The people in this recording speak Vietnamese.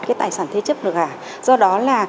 cái tài sản thế chấp được hả do đó là